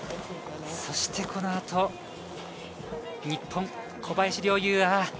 そしてこの後、日本・小林陵侑。